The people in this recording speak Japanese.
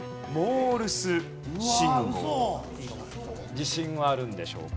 自信はあるんでしょうか？